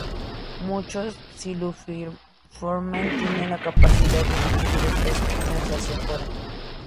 Muchos siluriformes tienen la capacidad de dirigir estas espinas hacia fuera.